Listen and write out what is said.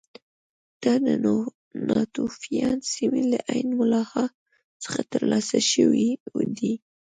دا د ناتوفیان سیمې له عین ملاحا څخه ترلاسه شوي دي